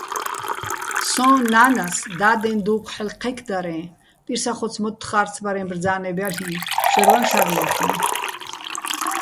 სოჼ ნა́ნას დადეჼ დუ́ფხო̆ ჰ̦ალო̆ ჴექდარეჼ, პირსახოც-მოთთხა́რცბარეჼ ბძა́ნებ ჲალ'იჼ, შაჲრვაჼ შარნ ჲახეჼ.